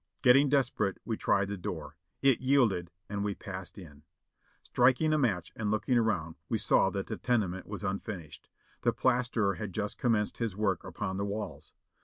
Getting desperate we tried the door ; it yielded and we passed in. Strik ing a match and looking around we saw that the tenement was unfinished. The plasterer had just commenced his work upon the walls.